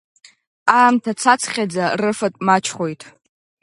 Аамҭа цацхьаӡа, рыфатә маҷхоит.